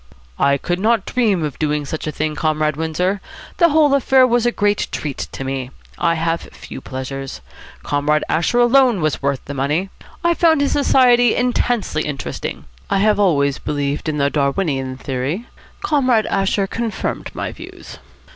"I could not dream of doing such a thing, Comrade Windsor. The whole affair was a great treat to me. I have few pleasures. Comrade Asher alone was worth the money. I found his society intensely interesting. I have always believed in the Darwinian theory. Comrade Asher confirmed my views."